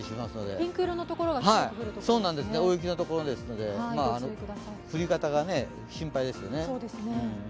ピンク色のところは大雪のところですので、降り方が心配ですね。